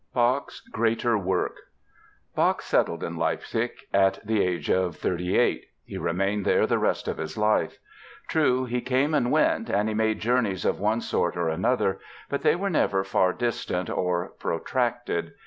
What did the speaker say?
BACH'S GREATER WORK Bach settled in Leipzig at the age of thirty eight. He remained there the rest of his life. True, he came and went, and he made journeys of one sort or another, but they were never far distant or protracted.